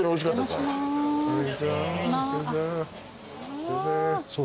すいません。